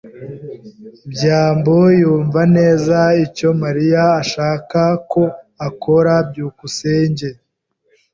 byambo yumva neza icyo Mariya ashaka ko akora. byukusenge